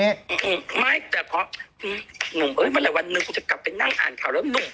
ไม่แต่เพราะหนุ่มเมื่อไหร่วันหนึ่งจะกลับไปนั่งอ่านข่าวแล้ว